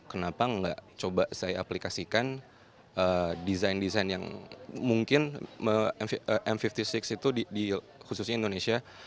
kenapa nggak coba saya aplikasikan desain desain yang mungkin m lima puluh enam itu khususnya indonesia